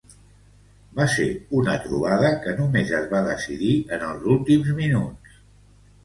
Va ser una trobada que només es va decidir en els últims minuts.